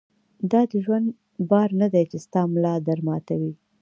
دا د ژوند بار نه دی چې ستا ملا در ماتوي.